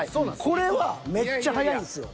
これはめっちゃ早いんですよ。